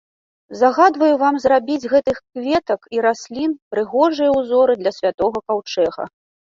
Загадваю вам зрабіць з гэтых кветак і раслін прыгожыя ўзоры для святога каўчэга.